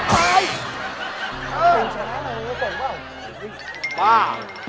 เฮ้ยมาก